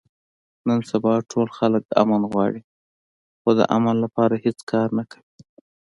نن سبا ټول خلک امن غواړي، خو د امن لپاره هېڅ کار نه کوي.